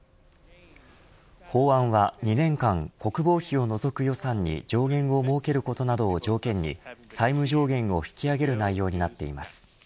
法案は２年間国防費を除く予算に上限を設けることなどを条件に債務上限を引き上げる内容になっています。